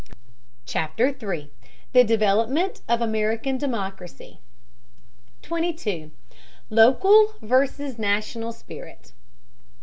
CHAPTER III THE DEVELOPMENT OF AMERICAN DEMOCRACY 22. LOCAL VERSUS NATIONAL SPIRIT.